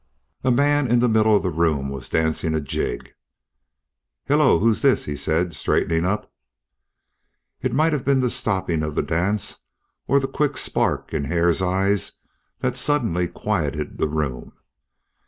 A man in the middle of the room was dancing a jig. "Hello, who's this?" he said, straightening up. It might have been the stopping of the dance or the quick spark in Hare's eyes that suddenly quieted the room.